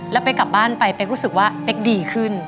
แล้วเป๊กกลับบ้านไปเป๊กรู้สึกว่าเป๊กดีขึ้น